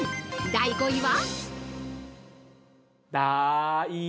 第５位は？